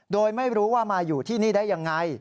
โดยไม่รู้ว่ามาอยู่ที่นี่ได้ยังไง